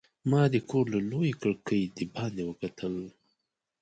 ما د کور له لویې کړکۍ د باندې وکتل.